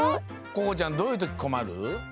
ここちゃんどういうときこまる？